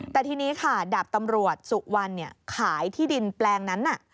แต่ทีนี้ค่ะดาบตำรวจสุวรรณขายที่ดินแปลงนั้น